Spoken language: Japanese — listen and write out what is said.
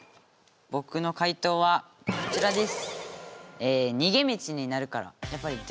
ボクの解答はこちらです。